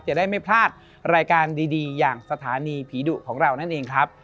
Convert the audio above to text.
จะได้ไม่พลาดรายการดีอย่างสถานีผีดุของเรานั่นเองครับ